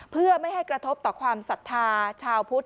เพื่อไม่ให้กระทบต่อความศรัทธาชาวพุทธ